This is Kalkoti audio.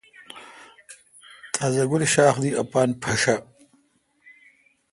تازہ گل شاخ دی اپان پھشہ۔